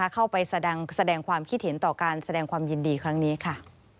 เข้าไปแสดงความคิดเห็นต่อการแสดงความยินดีครั้งนี้ค่ะ